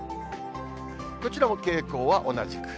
こちらも傾向は同じく。